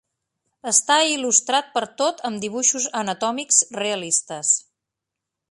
Està il·lustrat per tot amb dibuixos anatòmics realistes.